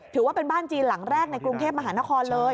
ถือว่าเป็นบ้านจีนหลังแรกในกรุงเทพมหานครเลย